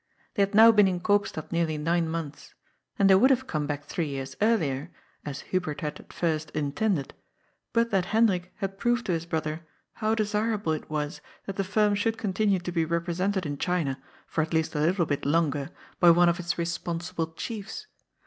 They had now been in Koopstad nearly nine months. And they would have come back three years earlier, as Hubert had at first intended, but that Hendrik had proved to his brother how desirable it was that the firm should continue to be represented in China, for at least a little bit longer, by one of its responsible chiefs.